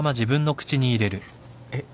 えっ？